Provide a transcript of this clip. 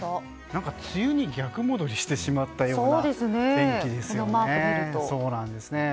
梅雨に逆戻してしまったような天気ですよね。